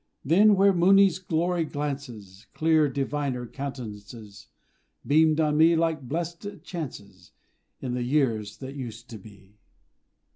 Then, where Mooni's glory glances, Clear, diviner countenances Beamed on me like blessed chances, In the years that used to be.